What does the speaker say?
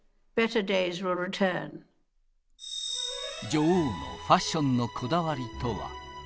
女王のファッションのこだわりとは。